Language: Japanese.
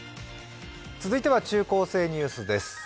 続いては中高生ニュースです。